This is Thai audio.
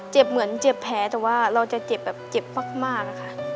เหมือนเจ็บแผลแต่ว่าเราจะเจ็บแบบเจ็บมากอะค่ะ